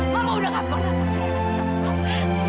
mama udah nggak pernah pacaran sama kamu